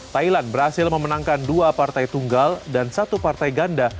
thailand berhasil memenangkan dua partai tunggal dan satu partai ganda